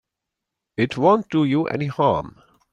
It won't do you any harm.